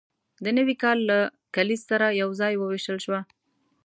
د نوي کال له کلیز سره یوځای وویشل شوه.